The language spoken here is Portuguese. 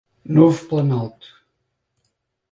Novo Planalto